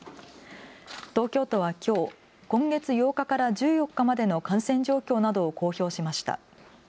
東京都はきょう今月８日から１４日までの感染状況などを公表しました。